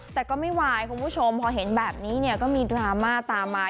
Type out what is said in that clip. แต่ก็ไม่วายคุณผู้ชมพอเห็นแบบนี้เนี่ยก็มีดราม่าตามมา